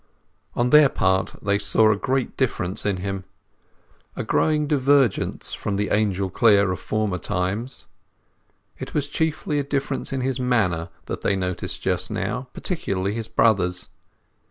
On their part they saw a great difference in him, a growing divergence from the Angel Clare of former times. It was chiefly a difference in his manner that they noticed just now, particularly his brothers.